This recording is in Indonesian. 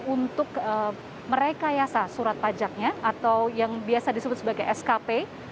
untuk merekayasa surat pajaknya atau yang biasa disebut sebagai skp